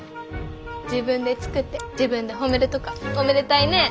自分で作って自分で褒めるとかおめでたいねえ。